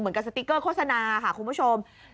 เหมือนกับสติกเกอร์โฆษณาค่ะคุณผู้ชม